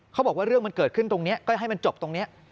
เขาบอกว่าเรื่องมันเกิดขึ้นตรงนี้ก็ให้มันจบตรงนี้